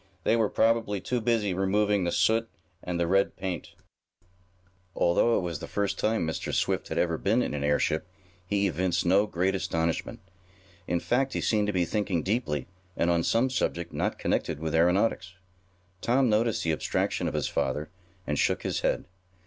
They were probably too busy removing the soot and red paint. Although it was the first time Mr. Swift had ever been in an airship, he evinced no great astonishment. In fact he seemed to be thinking deeply, and on some subject not connected with aeronautics. Tom noticed the abstraction of his father, and shook his head.